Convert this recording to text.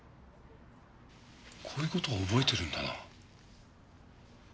こういう事は覚えてるんだな。